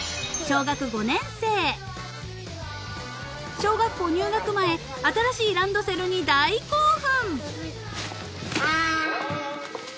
［小学校入学前新しいランドセルに大興奮］